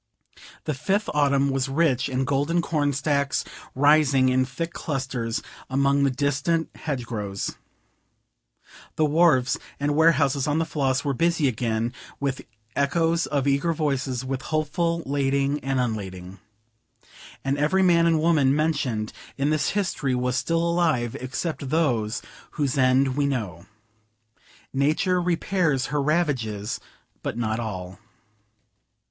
The fifth autumn was rich in golden cornstacks, rising in thick clusters among the distant hedgerows; the wharves and warehouses on the Floss were busy again, with echoes of eager voices, with hopeful lading and unlading. And every man and woman mentioned in this history was still living, except those whose end we know. Nature repairs her ravages, but not all.